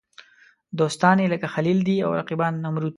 دوستان یې لکه خلیل دي او رقیبان نمرود.